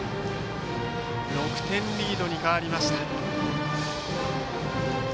６点リードに変わりました。